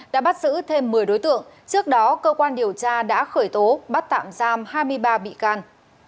đã bắt giữ thêm một mươi đối tượng trước đó cơ quan điều tra đã khởi tố bắt tạm giam hai mươi ba bị can